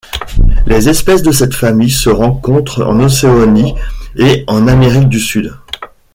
Les espèces de cette famille se rencontrent en Océanie et en Amérique du Sud.